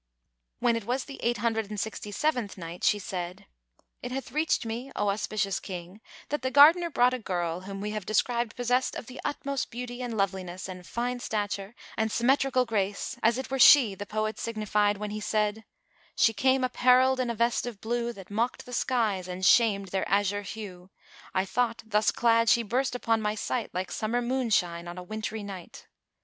When it was the Eight Hundred and Sixty seventh Night, She said, It hath reached me, O auspicious King, that the gardener brought a girl whom we have described possessed of the utmost beauty and loveliness and fine stature and symmetrical grace as it were she the poet signified when he said,[FN#427] "She came apparelled in a vest of blue, That mocked the skies and shamed their azure hue; I thought thus clad she burst upon my sight, Like summer moonshine on a wintry night."